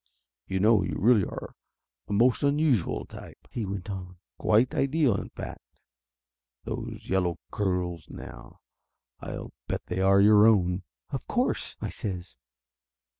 "You know you really are a most unusual type," he went on. "Quite ideal, in fact. Those yellow curls, now I'll bet they are your own!" "Of course!" I says.